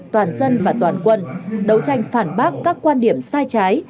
toàn dân và toàn quân đấu tranh phản bác các quan điểm sai trái